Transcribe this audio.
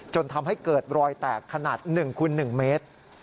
จนทำให้เกิดรอยแตกขนาด๑๑คูณ๑เมตร